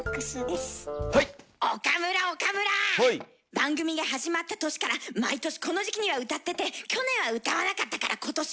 番組が始まった年から毎年この時期には歌ってて去年は歌わなかったから今年は歌うね！